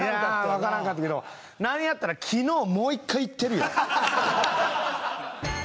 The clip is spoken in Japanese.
分からんかったけどなんやったらきのう、もう一回行ってるよ。